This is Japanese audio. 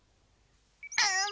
うん！